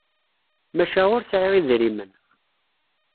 Maca ur sɛiɣ idrimen.